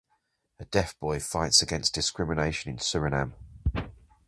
A deaf boy fights against discrimination in Suriname.